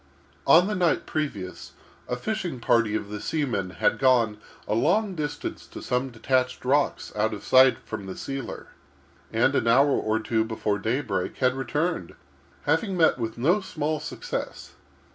On the night previous, a fishing party of the seamen had gone a long distance to some detached rocks out of sight from the sealer, and, an hour or two before daybreak, had returned, having met with no small success.